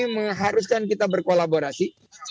mengharuskan kita berkolaborasi